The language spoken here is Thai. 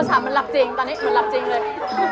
ฉันมันหลับจริงตอนนี้เหมือนหลับจริงเลย